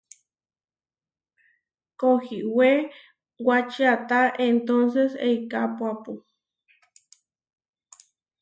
Kohiwé wačiáta entónses eikapuápu.